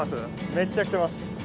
めっちゃ来てます。